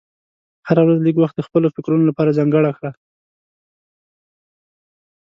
هره ورځ لږ وخت د خپلو فکرونو لپاره ځانګړی کړه.